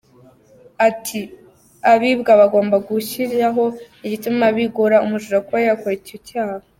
Ati : “Abibwa bagomba gushyiraho igituma bigora umujura kuba yakora icyo cyaha.